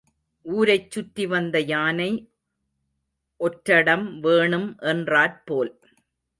ஊரைச் சுற்றி வந்த யானை ஒற்றடம் வேணும் என்றாற்போல்.